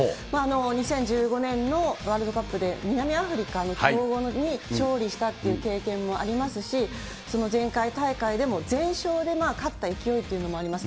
２０１５年のワールドカップで南アフリカの強豪に勝利したという経験もありますし、前回大会でも全勝で勝った勢いというのもあります。